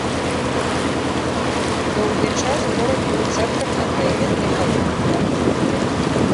Доўгі час горад быў цэнтрам аднайменнай калоніі.